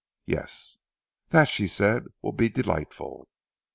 "Yes!" "That," she said, "will be delightful!"